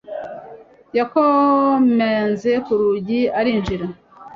Yakomanze ku rugi, arinjira.